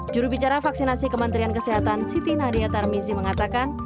jurubicara vaksinasi kementerian kesehatan siti nadia tarmizi mengatakan